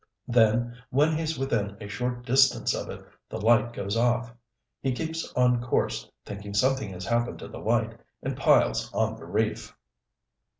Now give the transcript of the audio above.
Then, when he's within a short distance of it, the light goes off. He keeps on course, thinking something has happened to the light, and piles on the reef."